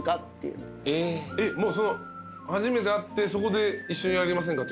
もう初めて会ってそこで一緒にやりませんか？